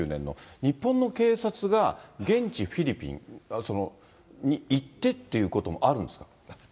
日本の警察が現地フィリピン、その行ってっていうこともあるんですか。